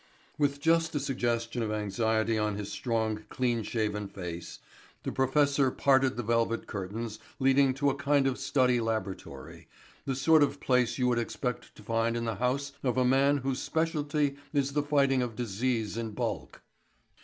With just a suggestion of anxiety on his strong clean shaven face, the professor parted the velvet curtains leading to a kind of study laboratory, the sort of place you would expect to find in the house of a man whose speciality is the fighting of disease in bulk.